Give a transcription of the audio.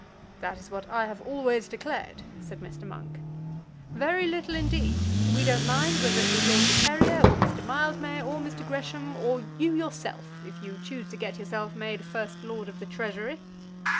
"That is what I have always declared," said Mr. Monk. "Very little indeed. We don't mind whether it be Lord de Terrier, or Mr. Mildmay, or Mr. Gresham, or you yourself, if you choose to get yourself made First Lord of the Treasury."